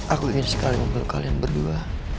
aku ingin sekali membeluk kalian berdua